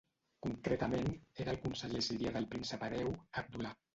Concretament, era el conseller sirià del príncep hereu Abdullah.